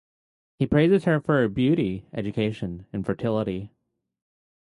He praises her for her beauty, education and fertility.